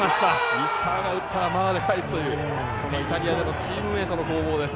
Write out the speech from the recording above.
石川が打ったらマーが返すというイタリアでのチームメートの攻防です。